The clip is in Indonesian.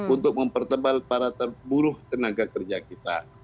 untuk mempertebal para terburu tenaga kerja kita